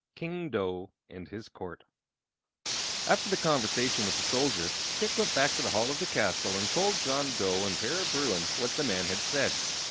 King Dough and his Court After the conversation with the soldier, Chick went back to the hall of the castle and told John Dough and Para Bruin what the man had said.